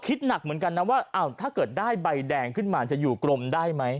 คิดหนักเหมือนกันนะว่าถ้าเกิดได้ใบแดงขึ้นมาจะอยู่กรมได้ไหม